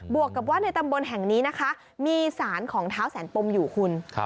วกกับว่าในตำบลแห่งนี้นะคะมีสารของเท้าแสนปมอยู่คุณ